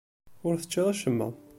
Ur teččiḍ acemma.